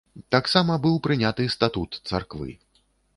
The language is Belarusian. Таксама быў прыняты статут царквы.